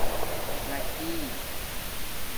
زَکی